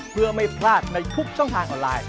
เพื่อไม่พลาดในทุกช่องทางออนไลน์